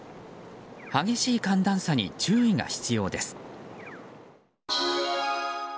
激しい寒暖差に注意が必要です。